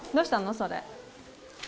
それ。